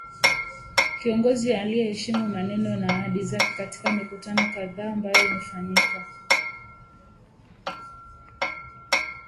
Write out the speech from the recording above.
Kiongozi aliyeheshimu maneno na ahadi zake katika mikutano kadhaa ambayo imefanyika